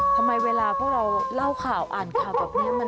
ทำไมเวลาพวกเราเล่าข่าวอ่านข่าวแบบนี้